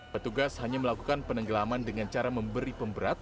petugas hanya melakukan penenggelaman dengan cara memberi pemberat